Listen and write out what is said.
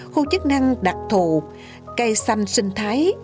khu chức năng đặc thụ cây xanh sinh thái